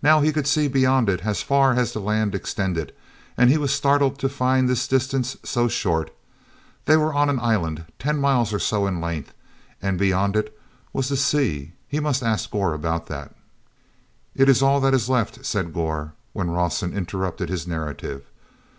Now he could see beyond it as far as the land extended, and he was startled to find this distance so short. They were on an island, ten miles or so in length, and beyond it was the sea; he must ask Gor about that. "It is all that is left," said Gor, when Rawson interrupted his narrative.